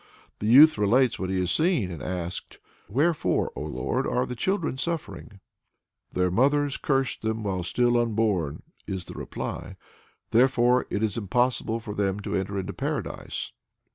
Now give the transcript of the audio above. The youth relates what he has seen, and asks: "Wherefore, O Lord, are the children suffering?" "Their mothers cursed them while still unborn," is the reply. "Therefore is it impossible for them to enter into Paradise."